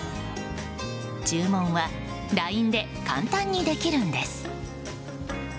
注文はＬＩＮＥで簡単にできるんです。